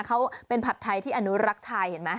เขาเป็นผัดไทยที่อนุรักษ์ไทยเห็นไหม